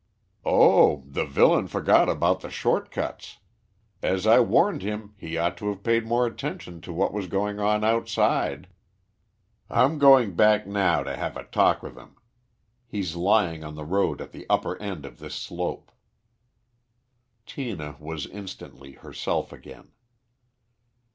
"Oh, the villain forgot about the short cuts. As I warned him, he ought to have paid more attention to what was going on outside. I'm going back now to have a talk with him. He's lying on the road at the upper end of this slope." Tina was instantly herself again.